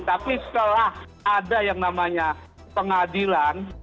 tapi setelah ada yang namanya pengadilan